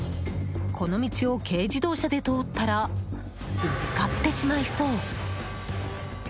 この道を軽自動車で通ったらぶつかってしまいそう。